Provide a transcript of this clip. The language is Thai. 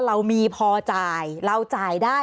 เรามีพอจ่ายเราจ่ายได้